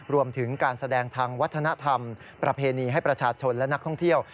รวมถึงการแสดงทางวัฒนธรรมประเพณีให้ประชาชนและนักท่องเที่ยว